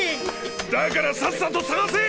だからさっさと探せ！